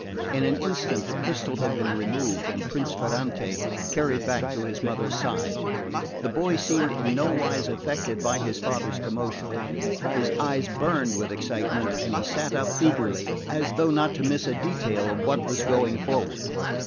In an instant the crystal had been removed, and Prince Ferrante carried back to his mother's side. The boy seemed in nowise affected by his father's commotion. His eyes burned with excitement, and he sat up eagerly, as though not to miss a detail of what was going forward.